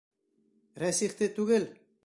Рәсихте түгел!